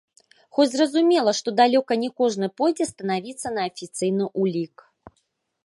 Хоць зразумела, што далёка не кожны пойдзе станавіцца на афіцыйны ўлік.